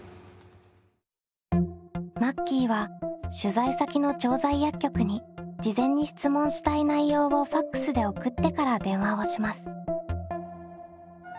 マッキーは取材先の調剤薬局に事前に質問したい内容をＦＡＸで送ってから電話をします。